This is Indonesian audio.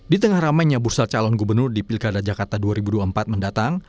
di tengah ramainya bursa calon gubernur di pilkada jakarta dua ribu dua puluh empat mendatang